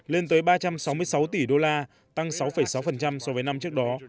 lên tới ba trăm sáu mươi sáu tỷ đô la tăng sáu sáu so với năm trước đó